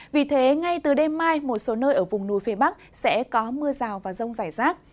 vì thế ngay từ đêm mai một số nơi ở vùng núi phía bắc sẽ có mưa rào và rông rải rác